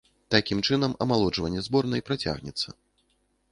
Такім чынам, амалоджванне зборнай працягнецца.